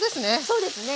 そうですね。